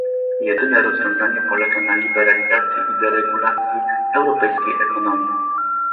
Jedyne rozwiązanie polega na liberalizacji i deregulacji europejskiej ekonomii